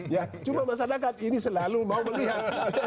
ya cuma masa dekat ini selalu mau melihat